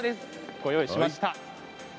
ご用意しました。